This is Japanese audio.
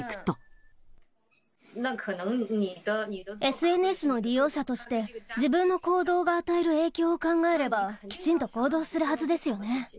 ＳＮＳの利用者として、自分の行動が与える影響を考えれば、きちんと行動するはずですよね。